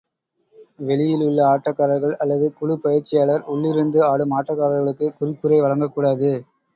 வெளியிலுள்ள ஆட்டக்காரர்கள் அல்லது குழுப் பயிற்சியாளர், உள்ளிருந்து ஆடும் ஆட்டக்காரர்களுக்குக் குறிப்புரை வழங்கக்கூடாது.